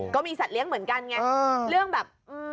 ก็มีสัตว์เลี้ยงเหมือนกันไงเรื่องแบบ